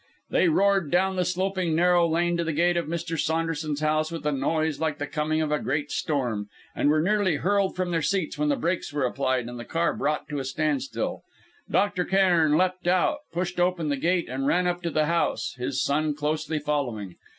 They roared down the sloping narrow lane to the gate of Mr. Saunderson's house with a noise like the coming of a great storm, and were nearly hurled from their seats when the brakes were applied, and the car brought to a standstill. Dr. Cairn leapt out, pushed open the gate and ran up to the house, his son closely following.